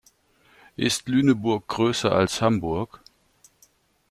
Ist Lüneburg größer als Hamburg?